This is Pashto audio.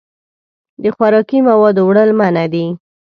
د خوراکي موادو وړل منع دي.